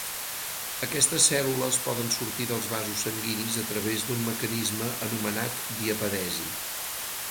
Aquestes cèl·lules poden sortir dels vasos sanguinis a través d'un mecanisme anomenat diapedesi.